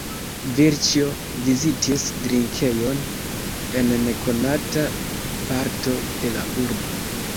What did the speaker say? Vilĉjo vizitis drinkejon en nekonata parto de la urbo.